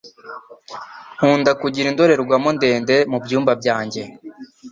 Nkunda kugira indorerwamo ndende mubyumba byanjye.